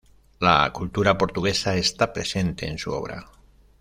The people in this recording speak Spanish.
La cultura portuguesa está presente en su obra.